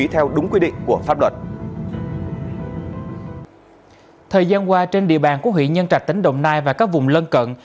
thời gian qua trên địa bàn của huyện nhân trạch tỉnh đồng nai và các vùng lân cận